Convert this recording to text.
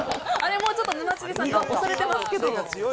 もう沼尻さんが押されてますけど。